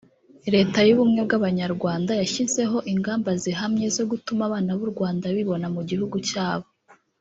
Leta y’Ubumwe bw’Abanyarwanda yashyizeho ingamba zihamye zo gutuma abana b’u Rwanda bibona mu gihugu cyabo